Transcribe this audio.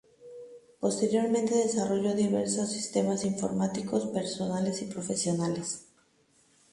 Posteriormente, desarrolló diversos sistemas informáticos personales y profesionales.